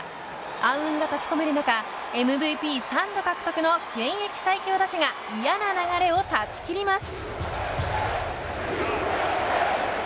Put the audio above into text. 暗雲が立ち込める中ＭＶＰ３度獲得の現役最強打者が嫌な流れを断ち切ります。